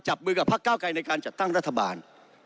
จับมือกับภักดิ์เกล้าไกรในการสรรค์รัฐบาล